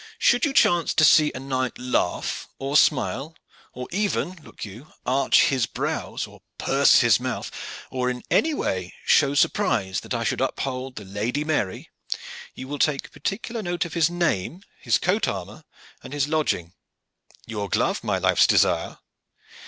Should you chance to see a knight laugh, or smile, or even, look you, arch his brows, or purse his mouth, or in any way show surprise that I should uphold the Lady Mary, you will take particular note of his name, his coat armor, and his lodging. Your glove, my life's desire!"